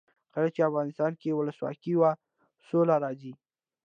کله چې افغانستان کې ولسواکي وي سوله راځي.